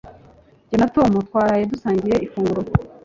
Jye na Tom twaraye dusangiye ifunguro